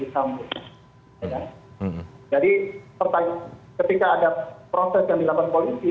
jadi ketika ada proses yang dilakukan polisi